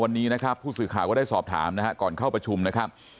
วันนี้นะครับผู้สื่อข่าวก็ได้สอบถามนะฮะก่อนเข้าประชุมนะครับ